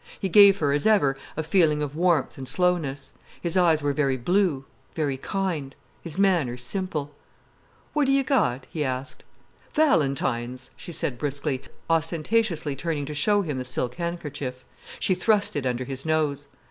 He gave her, as ever, a feeling of warmth and slowness. His eyes were very blue, very kind, his manner simple. "What ha' you got?" he asked. "Valentines," she said briskly, ostentatiously turning to show him the silk handkerchief. She thrust it under his nose.